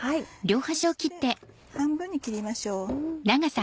そして半分に切りましょう。